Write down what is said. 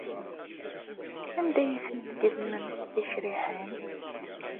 Anda ay ten-tgezmemt d ticriḥin?